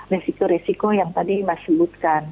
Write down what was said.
resiko resiko yang tadi mas sebutkan